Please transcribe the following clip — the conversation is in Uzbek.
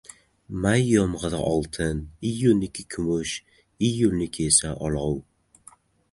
• May yomg‘iri — oltin, iyunniki — kumush, iyulniki — olov.